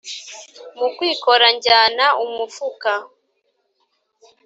Mu kwikora njyana umufuka.